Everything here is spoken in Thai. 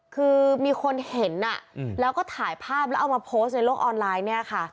คือมีคนเห็นแล้วก็ถ่ายภาพแล้วเอามาโพสต์ในโลกออนไลน์เนี่ยค่ะ